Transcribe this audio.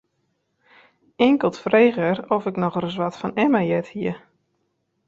Inkeld frege er oft ik noch ris wat fan Emma heard hie.